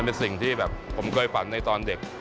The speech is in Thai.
เป็นสิ่งที่แบบผมเคยฝันในตอนเด็ก